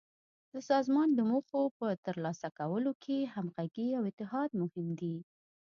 د سازمان د موخو په تر لاسه کولو کې همغږي او اتحاد مهم دي.